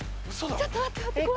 ちょっと待って。